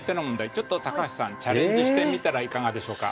ちょっと高橋さんチャレンジしてみたらいかがでしょうか？